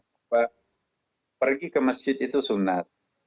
bapak pergi ke masjid itu sunat